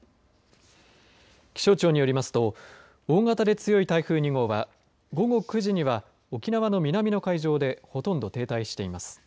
気象庁によりますと大型で強い台風２号は午後９時には沖縄の南の海上でほとんど停滞しています。